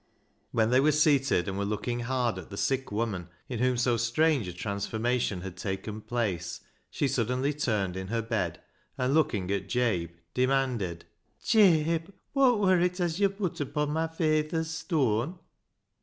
" When they were seated, and were looking hard at the sick woman in whom so strange a trans formation had taken place, she suddenly turned in her bed, and looking at Jabe, demanded —" Jabe, wot wur it as yo' put upo' my fay ther's stooan ?